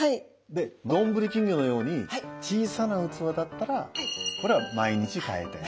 でどんぶり金魚のように小さな器だったらこれは毎日替えてあげる。